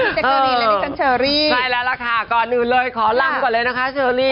แจ๊กเกอรีนและดิฉันเชอรี่ใช่แล้วล่ะค่ะก่อนอื่นเลยขอลำก่อนเลยนะคะเชอรี่